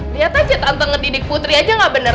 liat aja tante ngedidik putri aja gak bener